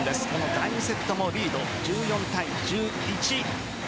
第２セットもリード、１４対１１。